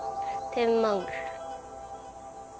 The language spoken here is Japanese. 天満宮。